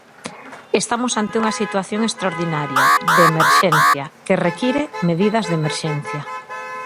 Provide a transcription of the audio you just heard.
Estamos ante unha situación extraordinaria, de emerxencia, que require medidas de emerxencia.